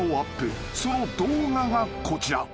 ［その動画がこちら］